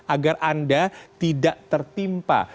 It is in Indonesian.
agar anda tidak tertimpa